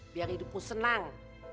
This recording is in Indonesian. biar hidupmu senang